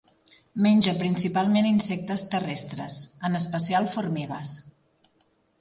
Menja principalment insectes terrestres, en especial formigues.